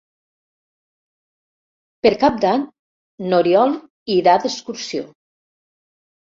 Per Cap d'Any n'Oriol irà d'excursió.